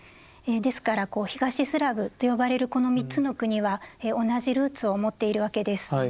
ですから東スラブと呼ばれるこの３つの国は同じルーツを持っているわけです。